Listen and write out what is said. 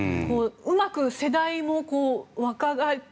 うまく世代も若返る。